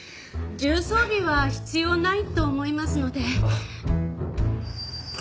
重装備は必要ないと思いますので。